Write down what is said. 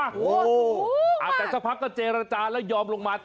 โอ้โฮมากอาจจะพักกับเจรจาแล้วยอมลงมา